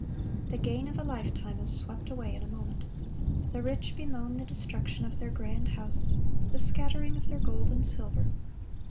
The gain of a lifetime is swept away in a moment. The rich bemoan the destruction of their grand houses, the scattering of their gold and silver.